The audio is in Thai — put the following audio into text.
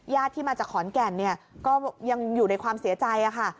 ที่มาจากขอนแก่นก็ยังอยู่ในความเสียใจค่ะ